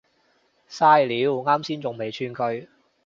曬料，岩先仲未串佢